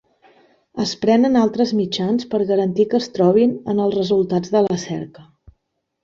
Es prenen altres mitjans per garantir que es trobin en els resultats de la cerca.